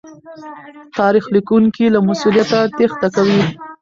تاريخ ليکونکي له مسوليته تېښته کوي.